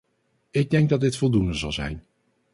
Ik denk dat dit voldoende zal zijn.